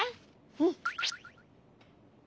うん！